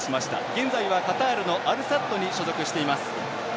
現在はカタールのアルサッドに所属しています。